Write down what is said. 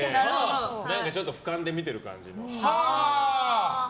ちょっと俯瞰で見ている感じの。